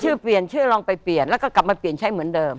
ชื่อเปลี่ยนชื่อลองไปเปลี่ยนแล้วก็กลับมาเปลี่ยนใช้เหมือนเดิม